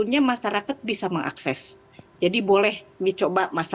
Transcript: ya kan kalau ada yang mengakses sliver lay compartians